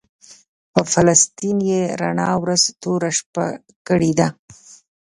په فلسطین یې رڼا ورځ توره شپه کړې ده.